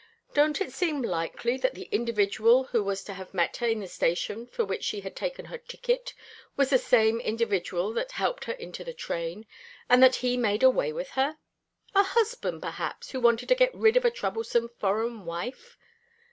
Don't it seem likely that the individual who was to have met her in the station for which she had taken her ticket was the same individual that helped her into the train, and that he made away with her? A husband, perhaps, who wanted to get rid of a troublesome foreign wife.